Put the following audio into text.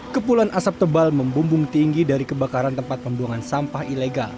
kepulan asap tebal membumbung tinggi dari kebakaran tempat pembuangan sampah ilegal